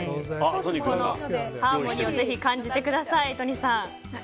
ハーモニーをぜひ感じてください、都仁さん。